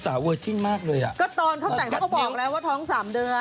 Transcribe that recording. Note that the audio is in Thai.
แต่เขาก็บอกแล้วว่าท้อง๓เดือน